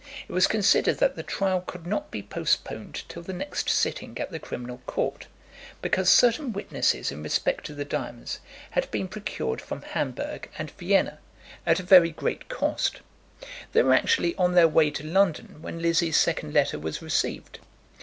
It was considered that the trial could not be postponed till the next sitting at the Criminal Court, because certain witnesses in respect to the diamonds had been procured from Hamburg and Vienna, at a very great cost; they were actually on their way to London when Lizzie's second letter was received.